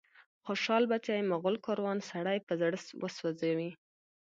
خوشال بچي، مغول کاروان، سړی په زړه وسوځي